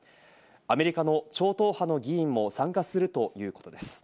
アメリカの超党派の議員も参加するということです。